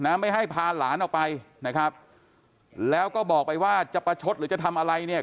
ไม่ให้พาหลานออกไปนะครับแล้วก็บอกไปว่าจะประชดหรือจะทำอะไรเนี่ย